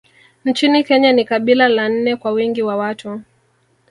Nchini Kenya ni kabila la nne kwa wingi wa watu